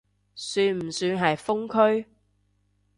算唔算係封區？